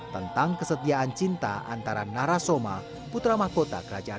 tentang kesetiaan cinta antara narasoma putra mahkota kerajaan